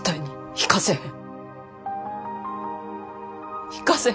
行かせへん。